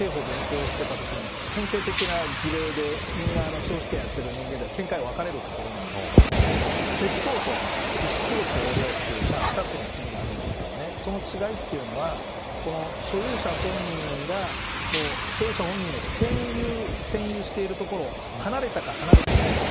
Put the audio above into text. これ僕らが刑法を勉強していたときの典型的な事例で司法試験をやってる人間には見解が分れるところなんですけど窃盗と遺失物横領という２つの罪があるんですけどその違いというのは所有者本人が所有者本人の占有している所を離れたか、離れていないか。